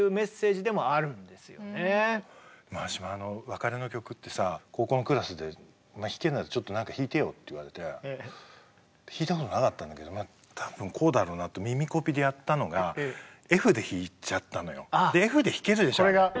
「別れの曲」ってさあ高校のクラスで「お前弾けるならちょっとなんか弾いてよ」って言われて弾いたことなかったんだけど多分こうだろうなって耳コピでやったのがＦで弾けるでしょあれ。